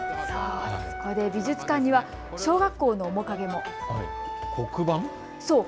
そこで、美術館には小学校の面影も。